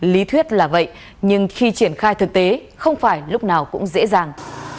lý thuyết là vậy nhưng khi triển khai thực tế không phải lúc nào cũng dễ dàng